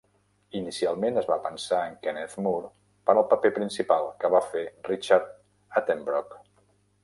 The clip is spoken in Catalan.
Inicialment es va pensar en Kenneth More per al paper principal que va fer Richard Attenborough.